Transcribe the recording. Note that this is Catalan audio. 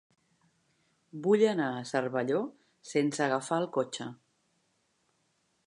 Vull anar a Cervelló sense agafar el cotxe.